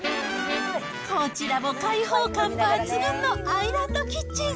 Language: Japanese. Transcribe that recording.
こちらも開放感抜群のアイランドキッチン。